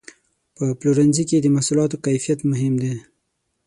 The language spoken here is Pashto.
په پلورنځي کې د محصولاتو کیفیت مهم دی.